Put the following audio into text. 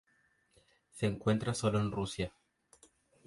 Se encuentra sólo en Rusia.